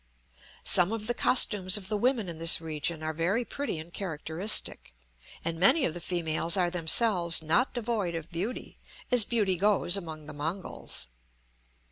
Some of the costumes of the women in this region are very pretty and characteristic, and many of the females are themselves not devoid of beauty, as beauty goes among the Mongols.